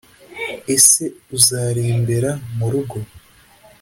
ese uzarembera mu rugo